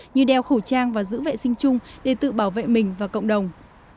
như đeo khẩu trang và giữ vệ sinh chung để tự bảo vệ mình và cộng đồng